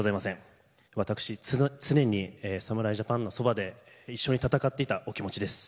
私、常に侍ジャパンのそばで一緒に戦っていたお気持ちです。